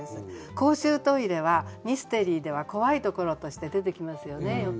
公衆トイレはミステリーでは怖いところとして出てきますよねよく。